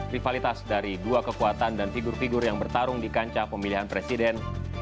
rivalitas dari dua kekuatan dan figur figur yang bertarung di kancah pemilihan presiden dua ribu sembilan belas